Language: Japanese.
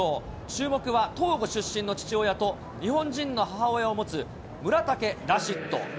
注目はトーゴ出身の父親と日本人の母親を持つ、村竹ラシッド。